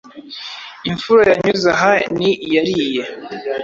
Imfura yanyuze aha ni iyariye”,